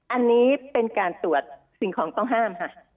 อันนี้เป็นการตรวจสิ่งของต้องห้ามค่ะ